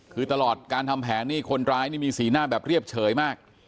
คือตลอดการทำแผนนี่คนร้ายนี่มีสีหน้าแบบเรียบเฉยมาก